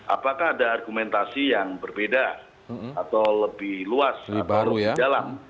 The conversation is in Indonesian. apakah ada argumentasi yang berbeda atau lebih luas atau lebih dalam